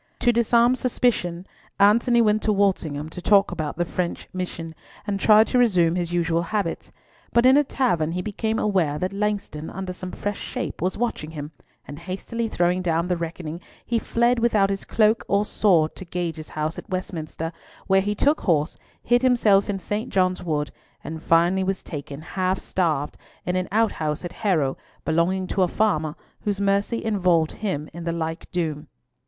To disarm suspicion, Antony went to Walsingham to talk about the French Mission, and tried to resume his usual habits, but in a tavern, he became aware that Langston, under some fresh shape, was watching him, and hastily throwing down the reckoning, he fled without his cloak or sword to Gage's house at Westminster, where he took horse, hid himself in St. John's Wood, and finally was taken, half starved, in an outhouse at Harrow, belonging to a farmer, whose mercy involved him in the like doom.